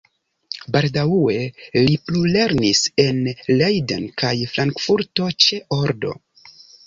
Baldaŭe li plulernis en Leiden kaj Frankfurto ĉe Odro.